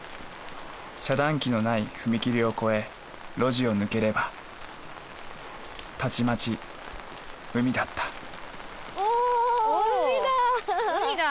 遮断機のない踏切を越え路地を抜ければたちまち海だったおお海だ！